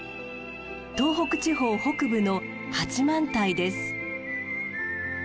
東北地方北部の八幡平です。